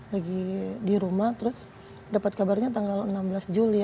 lagi di rumah terus dapat kabarnya tanggal enam belas juli